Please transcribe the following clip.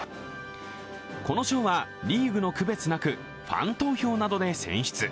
この賞はリーグの区別なくファン投票などで選出。